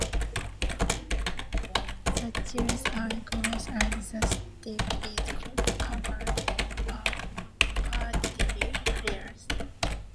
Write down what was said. The gills are close and the stipe is covered in powdery hairs.